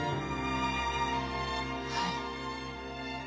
はい。